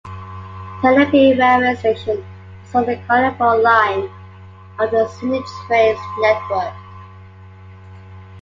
Telopea railway station is on the Carlingford Line of the Sydney Trains network.